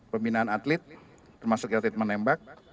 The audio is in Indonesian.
pembinaan atlet termasuk yang menembak